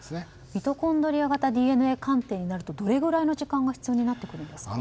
ミトコンドリア型ＤＮＡ鑑定になるとどれくらいの時間が必要になってくるんですか？